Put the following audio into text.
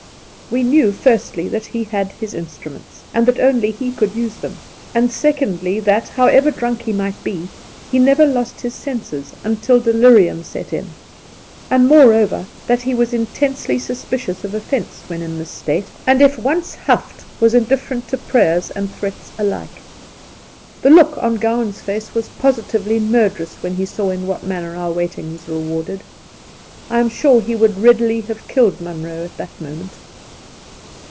We knew, firstly, that he had his instruments, and that only he could use them ; and, secondly, that, however drunk he might be, he never lost his senses until delirium set in ; and, moreover, that he was intensely sus picious of ofience when in this state, and if once 5 66 Soltke huffed, was indifferent to prayers and threats alike. The look on Gowan's face was positively murderous when he saw in what manner our waiting was rewarded. I am sure he would readily have killed Munroe at that moment.